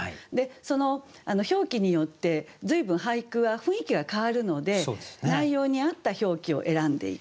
その表記によって随分俳句は雰囲気が変わるので内容に合った表記を選んでいく。